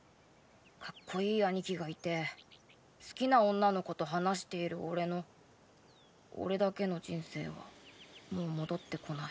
かっこいい兄貴がいて好きな女の子と話している俺の俺だけの人生はもう戻ってこない二度と。